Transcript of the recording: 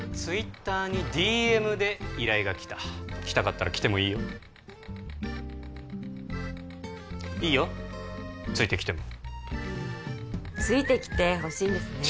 今ＴｗｉｔｔｅｒにＤＭで依頼が来た来たかったら来てもいいよいいよついてきてもついてきてほしいんですね